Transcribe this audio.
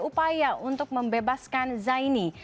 upaya untuk membebaskan zaini